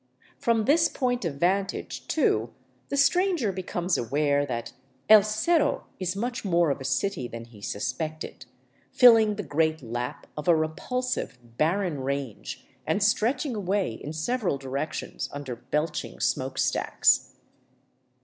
From this point of vantage, too, the stranger becomes aware that "el Cerro" is much more of a city than he suspected, filling the great lap of a repulsive, barren range, and stretching away in several directions under belching smoke stacks.